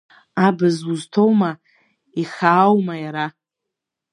Абыз узҭоума, ихааума иара?